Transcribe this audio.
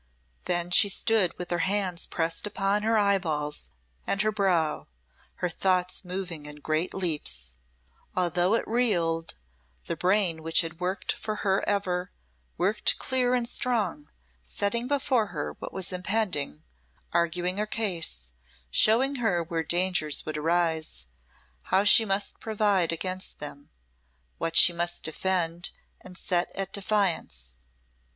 Then she stood with her hands pressed upon her eyeballs and her brow, her thoughts moving in great leaps. Although it reeled, the brain which had worked for her ever, worked clear and strong, setting before her what was impending, arguing her case, showing her where dangers would arise, how she must provide against them, what she must defend and set at defiance.